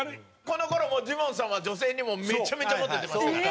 この頃ジモンさんは女性にもうめちゃめちゃモテてましたから。